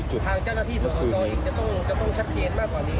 ว่าทางเจ้าหน้าที่สวรรค์ตัวเองจะต้องชัดเจนมากกว่านี้